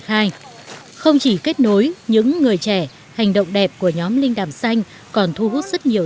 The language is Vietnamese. khai không chỉ kết nối những người trẻ hành động đẹp của nhóm linh đàm xanh còn thu hút rất nhiều